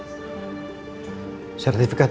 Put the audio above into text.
ibu udah favourite aku ya ya